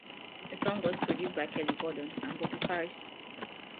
The song was produced by Kelly Gordon and Bobby Parris.